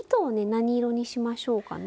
何色にしましょうかね。